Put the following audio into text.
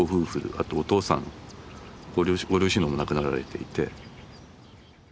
あとお父さんご両親も亡くなられていて。